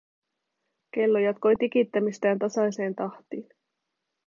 Kello jatkoi tikittämistään tasaiseen tahtiin.